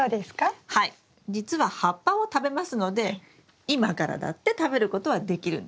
じつは葉っぱを食べますので今からだって食べることはできるんです。